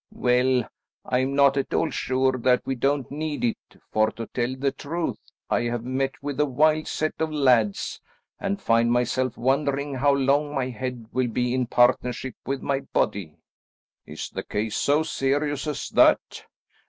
"Well, I'm not at all sure that we don't need it, for to tell the truth I have met with a wild set of lads, and I find myself wondering how long my head will be in partnership with my body." "Is the case so serious as that?"